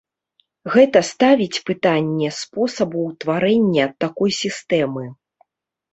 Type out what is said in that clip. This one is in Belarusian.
Гэта ставіць пытанне спосабу ўтварэння такой сістэмы.